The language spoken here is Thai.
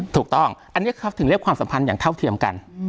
ถูกต้องอันนี้เขาถึงเรียกความสัมพันธ์อย่างเท่าเทียมกัน